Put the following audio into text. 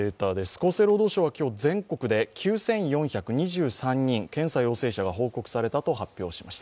厚生労働省は今日全国で９４２３人検査陽性者が報告されたと発表しました。